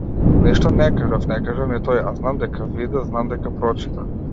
Ништо не кажав, не кажа ни тој, а знам дека виде, знам дека прочита.